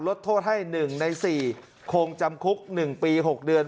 ลดโทษให้หนึ่งในสี่คงจำคุกหนึ่งปีหกเดือน